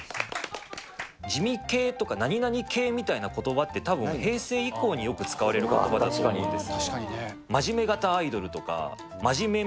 地味系とか何々系みたいなことばって、たぶん平成以降によく使われることばだと思うんです。